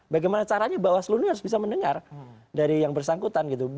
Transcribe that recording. bagaimana caranya bawaslu ini harus bisa mendengar dari yang bersangkutan gitu